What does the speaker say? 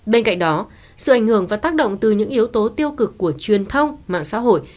bên cạnh đó sự ảnh hưởng và tác động từ những yếu tố tiêu cực của truyền thông mạng xã hội